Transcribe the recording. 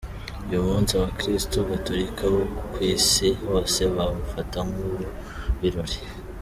Uyu munsi abakristu gatolika bo ku isi hose bawufata nk’uw’ibirori.